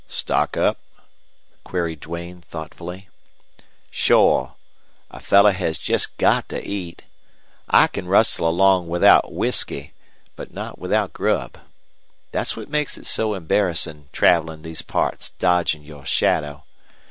"Stock up?" queried Duane, thoughtfully. "Shore. A feller has jest got to eat. I can rustle along without whisky, but not without grub. Thet's what makes it so embarrassin' travelin' these parts dodgin' your shadow.